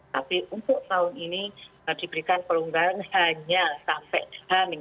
tapi untuk tahun ini diberikan perlumbaan hanya sampai hal min satu